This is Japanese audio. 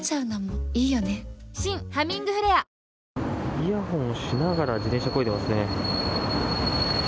イヤホンをしながら自転車をこいでいますね。